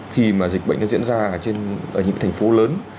khi mà dịch bệnh nó diễn ra ở những thành phố lớn